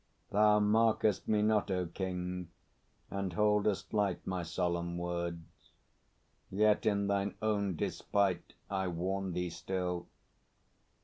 Thou mark'st me not, O King, and holdest light My solemn words; yet, in thine own despite, I warn thee still.